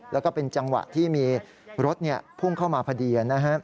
แล้วก็เป็นจังหวะที่มีรถพุ่งเข้ามาพอดีนะครับ